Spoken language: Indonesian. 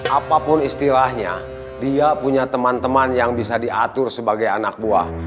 apapun istilahnya dia punya teman teman yang bisa diatur sebagai anak buah